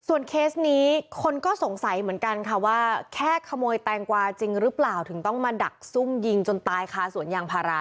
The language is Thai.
เคสนี้คนก็สงสัยเหมือนกันค่ะว่าแค่ขโมยแตงกวาจริงหรือเปล่าถึงต้องมาดักซุ่มยิงจนตายคาสวนยางพารา